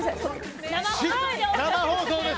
生放送です。